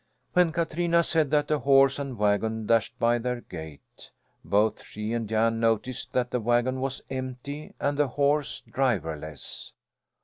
When Katrina said that a horse and wagon dashed by their gate. Both she and Jan noticed that the wagon was empty and the horse driverless.